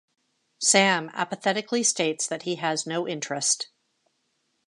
Sam apathetically states that he has no interest.